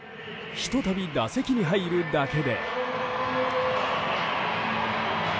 ひと度、打席に入るだけで。